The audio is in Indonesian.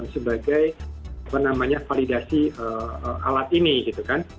sebagai apa namanya validasi alat ini gitu kan